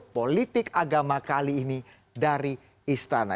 politik agama kali ini dari istana